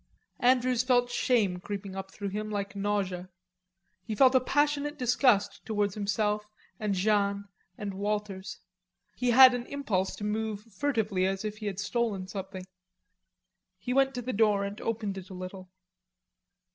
Andrews felt shame creeping up through him like nausea. He felt a passionate disgust towards himself and Jeanne and Walters. He had an impulse to move furtively as if he had stolen something. He went to the door and opened it a little.